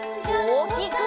おおきく！